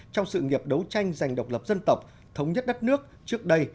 trong sự nghiệp đấu tranh giành độc lập dân tộc thống nhất đất nước trước đây